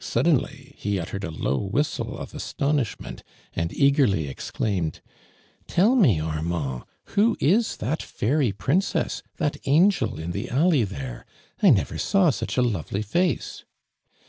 Suddenly ho uttered a low whistle of astonishment and eagerly exclaimed : "Tell mo, Armand, wlio is that fairy princess, that angel in the alley there '( I I never saw such a lovely face